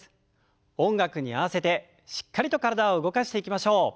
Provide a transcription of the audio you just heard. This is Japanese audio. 音楽に合わせてしっかりと体を動かしていきましょう。